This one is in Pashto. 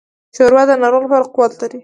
ښوروا د ناروغ لپاره قوت لري.